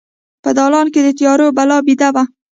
په دالان کې د تیارو بلا بیده وه